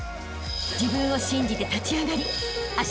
［自分を信じて立ち上がりあしたへ